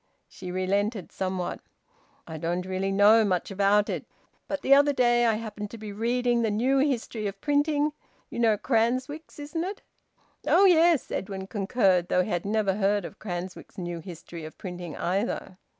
She relented somewhat. "I don't really know much about it. But the other day I happened to be reading the new history of printing, you know Cranswick's, isn't it?" "Oh yes!" Edwin concurred, though he had never heard of Cranswick's new history of printing either.